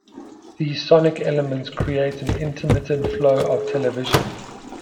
These sonic elements create an intermittent flow of television.